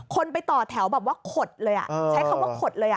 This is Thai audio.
คนไปต่อแถวขดเลยใช้คำว่าขดเลย